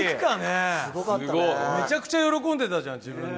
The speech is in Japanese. めちゃくちゃ喜んでたじゃん、自分で。